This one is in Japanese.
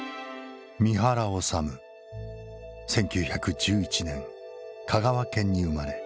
１９１１年香川県に生まれ